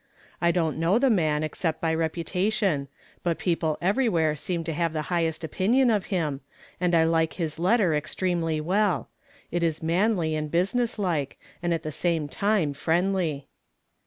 I don't know the man, except by reputation ; but people everywhere seem to have the highest opinion of him, and I like his letter extremely well ; it is manly and business like, and at the same time friendly."